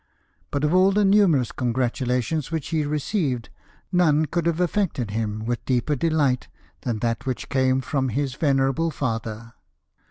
But of all the numerous congratulations which he received, none could have affected him with deeper delight than that which came from his venerable father.